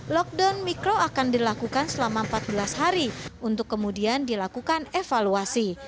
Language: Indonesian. lockdown mikro akan dilakukan selama empat belas hari untuk kemudian dilakukan evaluasi